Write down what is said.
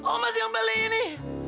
omas yang beli ini